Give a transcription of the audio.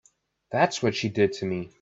That's what she did to me.